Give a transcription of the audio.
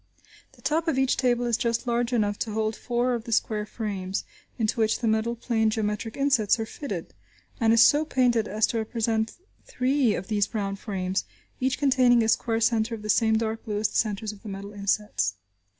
The top of each table is just large enough to hold four of the square frames, into which the metal plane geometric insets are fitted, and is so painted as to represent three of these brown frames, each containing a square centre of the same dark blue as the centres of the metal insets.